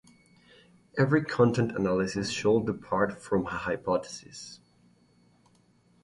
Every content analysis should depart from a hypothesis.